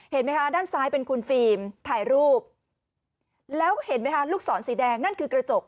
เห็นไหมคะด้านซ้ายเป็นคุณฟิล์มถ่ายรูปแล้วเห็นไหมคะลูกศรสีแดงนั่นคือกระจก